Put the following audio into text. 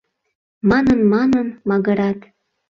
Манын-манын магырат.